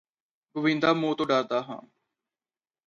ਗੋਵਿੰਦਾ ਮੌਤ ਤੋਂ ਡਰਦਾ ਹਾਂ